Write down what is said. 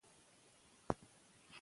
هرځل چې زغم زیات شي، شخړې حل کېږي.